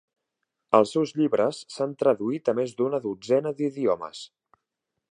Els seus llibres s'han traduït a més d'una dotzena d'idiomes.